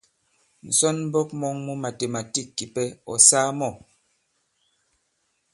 Ǹsɔnmbɔk mɔ̄ŋ mu màtèmàtîk kìpɛ, ɔ̀ saa mɔ̂ ?